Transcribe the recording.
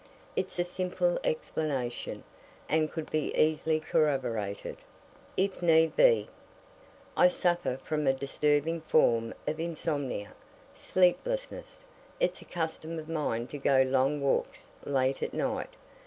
It's a simple explanation, and could be easily corroborated, if need be. I suffer from a disturbing form of insomnia sleeplessness it's a custom of mine to go long walks late at night.